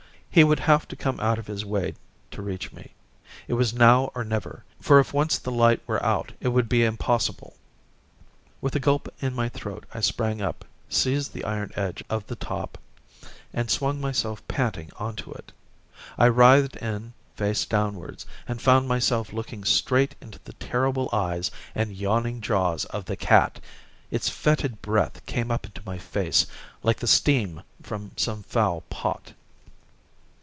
He would have to come out of his way to reach me. It was now or never, for if once the light were out it would be impossible. With a gulp in my throat I sprang up, seized the iron edge of the top, and swung myself panting on to it. I writhed in face downwards, and found myself looking straight into the terrible eyes and yawning jaws of the cat. Its fetid breath came up into my face like the steam from some foul pot.